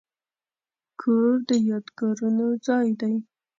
کور د یادګارونو ځای دی.